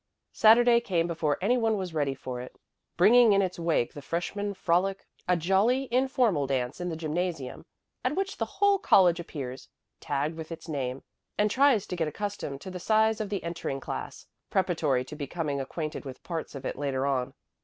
Saturday came before any one was ready for it, bringing in its wake the freshman frolic, a jolly, informal dance in the gymnasium, at which the whole college appears, tagged with its name, and tries to get accustomed to the size of the entering class, preparatory to becoming acquainted with parts of it later on.